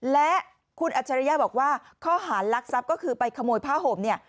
และคุณอัจฉริยะบอกว่าข้อหารลักทรัพย์ก็คือไปขโมยผ้าห่มเนี่ย